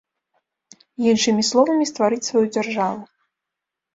Іншымі словамі, стварыць сваю дзяржаву.